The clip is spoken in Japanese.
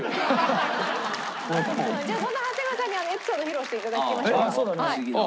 じゃあそんな長谷川さんにエピソード披露していただきましょうか。